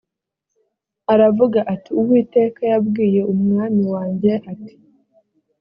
aravuga ati uwiteka yabwiye umwami wanjye ati